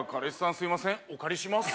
すいませんお借りします